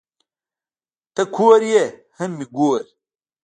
ته کور یې هم مې گور